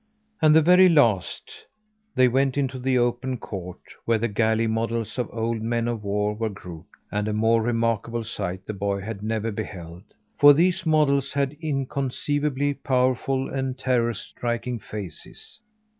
And the very last, they went into an open court, where the galley models of old men of war were grouped; and a more remarkable sight the boy had never beheld; for these models had inconceivably powerful and terror striking faces.